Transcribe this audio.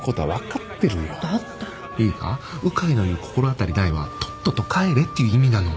鵜飼の言う「心当たりない」はとっとと帰れっていう意味なの。